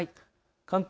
関東